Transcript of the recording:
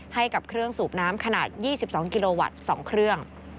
ให้กับเครื่องสูบน้ำขนาด๒๒กิโลวัตต์๒เครื่อง